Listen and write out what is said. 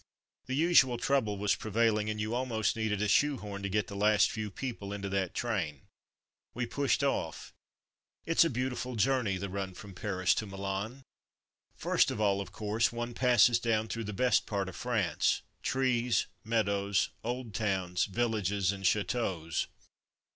The usual trouble was prevailing, and you almost needed a shoe horn to get the last few people into that train. We pushed off. It's a beautiful journey, the run from\^ Paris to Milan. First of all, of course, one passes down through the best part of France: trees, meadows, old towns, villages, and chateaux.